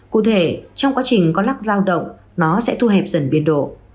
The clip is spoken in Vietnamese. cụ thể trong quá trình có lắc giao động nó sẽ thu hẹp dần biên độ